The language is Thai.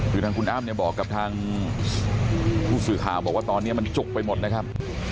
คือทางคุณอ้ำเนี่ยบอกกับทางผู้สื่อข่าวบอกว่าตอนนี้มันจุกไปหมดนะครับ